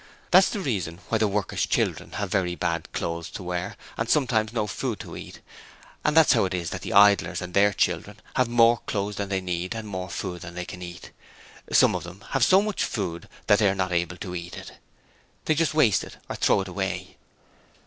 That's the reason why the workers' children have very bad clothes to wear and sometimes no food to eat; and that's how it is that the idlers and their children have more clothes than they need and more food than they can eat. Some of them have so much food that they are not able to eat it. They just waste it or throw it away.'